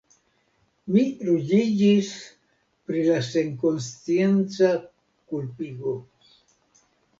Mi ruĝiĝis pri la senkonscienca kulpigo.